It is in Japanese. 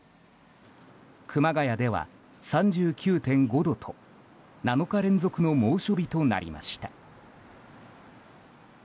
熊谷では３９．５度と７日連続の猛暑日となりました。